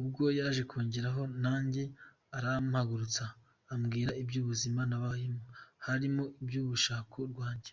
Ubwo yaje kungeraho nanjye, arampagurutsa , ambwira iby’ubuzima nabayemo, harimo iby’urushako rwanjye.